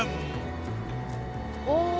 お！